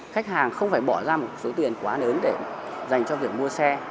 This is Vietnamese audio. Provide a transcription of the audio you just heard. khách hàng không phải bỏ ra một số tiền quá lớn để dành cho việc mua xe